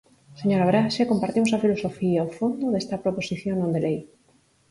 Señora Braxe, compartimos a filosofía, o fondo, desta proposición non de lei.